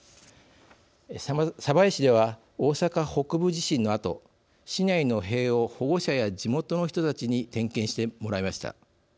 鯖江市では、大阪北部地震のあと市内の塀を保護者や地元の人たちに点検してもらいました。